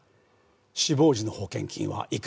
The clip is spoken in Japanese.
死亡時の保険金はいくらですか？